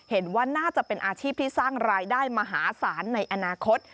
เห็นว่าน่าจะเป็นอาชีพที่สร้างรายได้มหาศาลในอนาคต